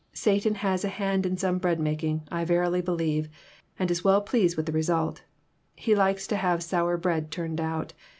Satan has a hand in some bread making, I verily believe, and is well pleased with the result. He likes to have sour bread turned out.